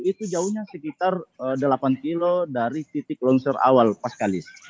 itu jauhnya sekitar delapan kilo dari titik longsor awal pas kalis